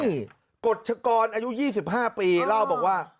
นี่กฎชกรอายุ๒๕ปีเล่าบอกว่า